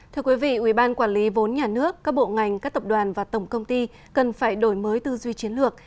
thưa quý vị ubnd các bộ ngành các tập đoàn và tổng công ty cần phải đổi mới tư duy chiến lược